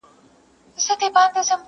پوليس کار پای ته رسوي او ورو ورو وځي,